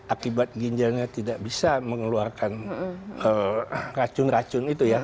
akibat ginjalnya tidak bisa mengeluarkan racun racun itu ya